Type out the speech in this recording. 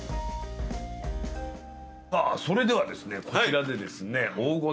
さあそれではですねこちらでですね。